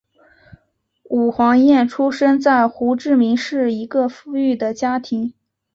武黄燕出生在胡志明市一个富裕的家庭。